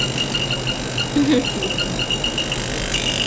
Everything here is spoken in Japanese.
桃太郎さん、桃太郎さん